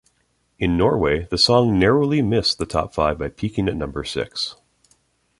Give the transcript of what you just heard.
In Norway, the song narrowly missed the top five by peaking at number six.